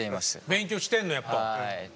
勉強してんのやっぱ。